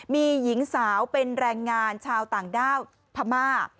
มีหญิงสาวเป็นแรงงานชาวต่างด้าวพม่า